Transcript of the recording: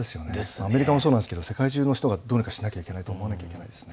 アメリカもそうですが世界中の人がどうにかしないとと思わないといけないですね。